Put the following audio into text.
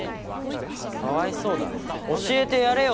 かわいそうだろ教えてやれよ